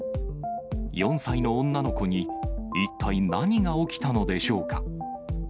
４歳の女の子に一体何が起きたのでしょうか。